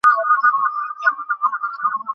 আমার বাড়ি থেকে তোমাকে বাঁচানোর উদ্দেশ্যে এখানে এসেছি।